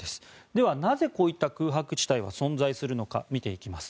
ではなぜこういった空白地帯は存在しているのか見ていきます。